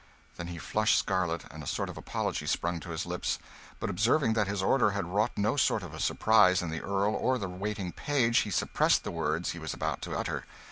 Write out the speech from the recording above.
Then he blushed scarlet, and a sort of apology sprung to his lips; but observing that his order had wrought no sort of surprise in the Earl or the waiting page, he suppressed the words he was about to utter.